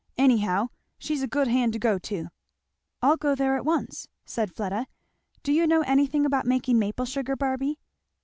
Anyhow she's a good hand to go to." "I'll go there at once," said Fleda. "Do you know anything about making maple sugar, Barby?"